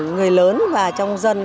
người lớn và trong dân